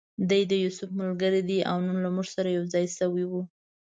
دی د یوسف ملګری دی او نن له موږ سره یو ځای شوی و.